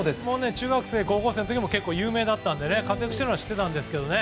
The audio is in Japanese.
中学生、高校生の時も有名だったので活躍しているのは知っていたんですけどね